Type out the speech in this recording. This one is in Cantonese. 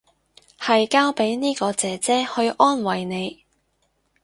係交俾呢個姐姐去安慰你